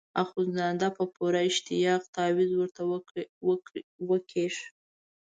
اخندزاده په پوره اشتیاق تاویز ورته وکیښ.